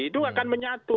itu akan menyatu